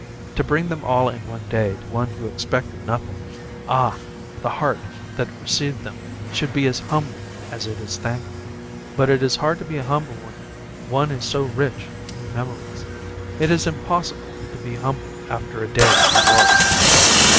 To bring them all in one day to one who expected nothing ah! the heart that received them should be as humble as it is thankful. But it is hard to be humble when one is so rich with new memories. It is impossible to be humble after a day of glory.